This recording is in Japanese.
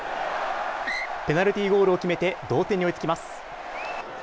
ペナルティーゴールを決めて、同点に追いつきます。